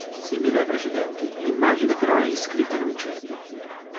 Simile ai precedenti, l'immagine però è inscritta in un cerchio.